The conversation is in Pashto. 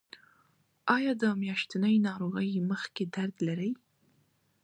ایا د میاشتنۍ ناروغۍ مخکې درد لرئ؟